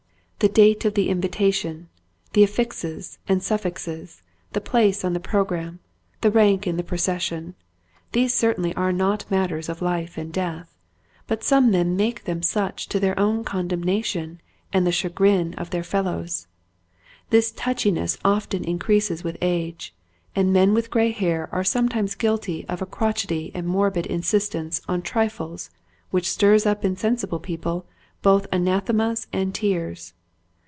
The date of the invitation, the affixes and suffixes, the place on the program, the rank in the procession, these certainly are not matters of life and death, but some men make them such to their own condemnation and the chagrin of their fellows. This touchiness often in creases with age, and men with gray hair are sometimes guilty of a crochety and morbid insistence on trifles which stirs up in sensible people both anathemas and tears.